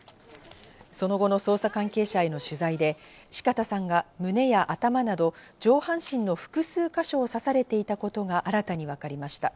その後の捜査関係者への取材で、四方さんが胸や頭など上半身の複数か所を刺されていたことが新たに分かりました。